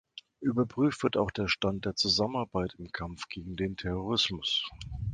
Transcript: Überprüft wird auch der Stand der Zusammenarbeit im Kampf gegen den Terrorismus.